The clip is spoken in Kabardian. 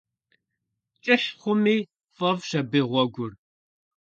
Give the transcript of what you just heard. КӀыхь хъуми фӀэфӀщ абы гъуэгур.